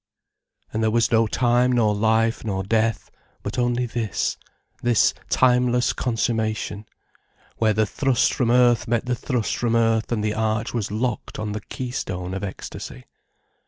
And there was no time nor life nor death, but only this, this timeless consummation, where the thrust from earth met the thrust from earth and the arch was locked on the keystone of ecstasy.